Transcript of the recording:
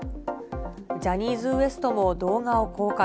ジャニーズＷＥＳＴも動画を公開。